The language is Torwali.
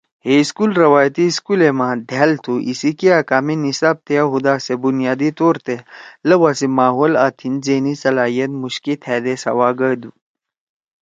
ہے سکول روایتی سکولے ما دھأل تُھو۔ ایسی کیا کامے نصاب تیا ہُودا سے بنیادی طور تے لؤا سی ماحول آں تھیِن ذہنی صلاحیت مُوشکے تھأ دے سوا گدُو۔